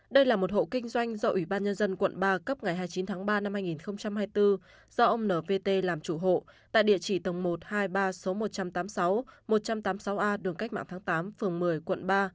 đây là một hộ kinh doanh do ủy ban nhân dân quận ba cấp ngày hai mươi chín tháng ba năm hai nghìn hai mươi bốn do ông nvt làm chủ hộ tại địa chỉ tầng một trăm hai mươi ba số một trăm tám mươi sáu một trăm tám mươi sáu a đường cách mạng tháng tám phường một mươi quận ba